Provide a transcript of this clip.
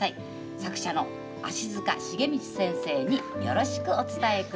作者の足塚茂道先生によろしくお伝え下さい」。